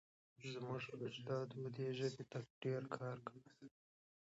زموږ اجدادو دې ژبې ته ډېر کار کړی.